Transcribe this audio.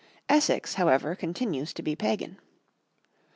Essex, however, continues to be pagan.